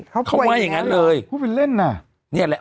เขาเขาว่าอย่างงั้นเลยพูดเป็นเล่นน่ะเนี่ยแหละ